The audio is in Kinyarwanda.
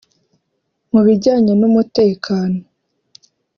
Mu bijyanye n’umutekano